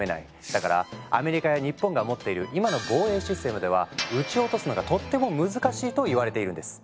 だからアメリカや日本が持っている今の防衛システムでは撃ち落とすのがとっても難しいといわれているんです。